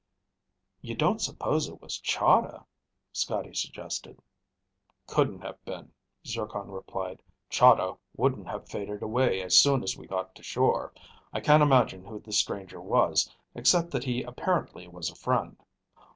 "You don't suppose it was Chahda?" Scotty suggested. "Couldn't have been," Zircon replied. "Chahda wouldn't have faded away as soon as we got to shore. I can't imagine who the stranger was, except that he apparently was a friend.